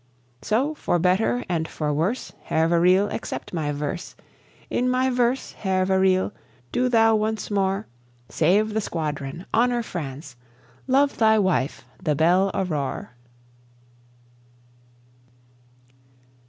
So, for better and for worse, Hervé Riel, accept my verse! In my verse, Hervé Riel, do thou once more Save the squadron, honour France, love thy wife the Belle Aurore!